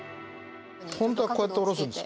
本当はこうやっておろすんです。